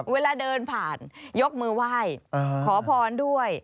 เวลาเดินผ่านยกมือไหว้ขอพรด้วย